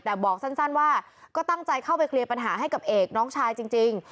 แต่บอกสั้นว่าก็ตั้งใจเข้าไปเคลียร์ปัญหาให้กับเอกน้องชายจริง